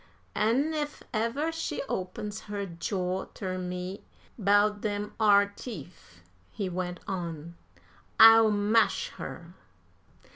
"An' ef ever she opens her jaw ter me 'bout dem ar teef," he went on, "I'll mash her."